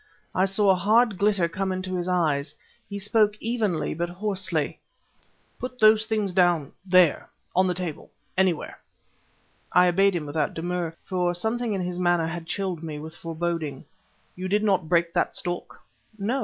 I saw a hard glitter come into his eyes. He spoke, evenly, but hoarsely: "Put those things down there, on the table; anywhere." I obeyed him without demur; for something in his manner had chilled me with foreboding. "You did not break that stalk?" "No.